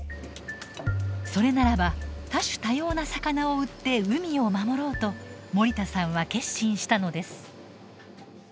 それならば多種多様な魚を売って海を守ろうと森田さんは決心したのです。